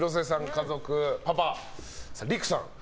家族パパ、理久さん